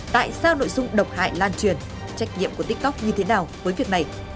tại sao nội dung độc hại lan truyền trách nhiệm của tiktok như thế nào với việc này